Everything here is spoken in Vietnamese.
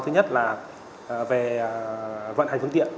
thứ nhất là về vận hành phương tiện